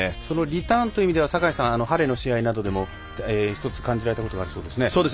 リターンという意味ではハレの試合でも一つ、感じられたことがあるそうですね。